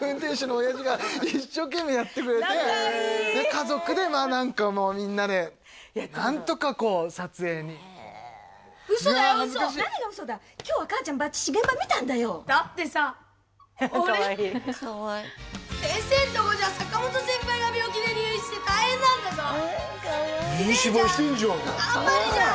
家族でまあ何かもうみんなで何とかこう撮影に嘘だよ嘘何が嘘だ今日は母ちゃんばっちし現場見たんだよだってさ俺先生んとこじゃ坂本先輩が病気で入院して大変なんだぞひでえじゃんあんまりじゃん！